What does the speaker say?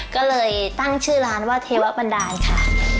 ก็เลยตั้งชื่อร้านว่าเทวบันดาลค่ะ